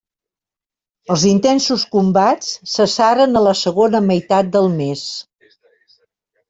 Els intensos combats cessaren a la segona meitat del mes.